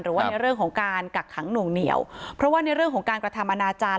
หรือว่าในเรื่องของการกักขังหน่วงเหนียวเพราะว่าในเรื่องของการกระทำอนาจารย์